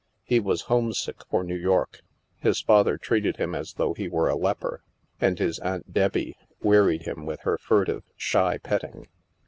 He was homesick for New York. His father treated him as though he were a leper, and his Aunt Debbie wearied him with her furtive shy petting.